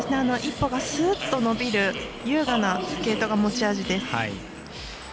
１歩がスーッと伸びる優雅なスケートが持ち味です。